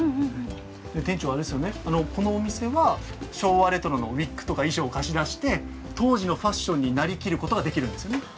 店長、このお店は昭和レトロのウィッグとか衣装を貸し出して当時のファッションになりきることができるんですよね。